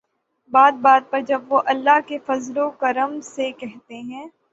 بات بات پر جب وہ'اللہ کے فضل و کرم سے‘ کہتے ہیں۔